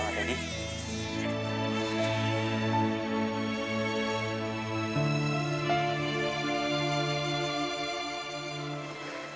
itu pasti tangisan aku